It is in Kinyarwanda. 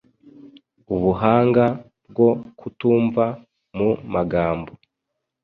Ubuhanga bwo kutumva mu magambo